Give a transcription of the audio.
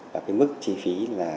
và mức chi phí